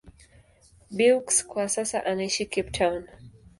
Beukes kwa sasa anaishi Cape Town.